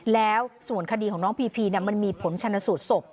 แล้วส่วนคดีของน้องพีพีมันมีผลชนสูตรศพ